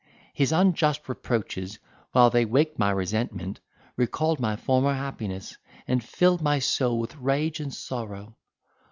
His unjust reproaches, while they waked my resentment, recalled my former happiness, and filled my soul with rage and sorrow.